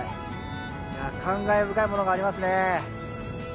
感慨深いものがありますね。